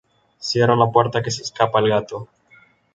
Cierra la puerta que se escapa el gato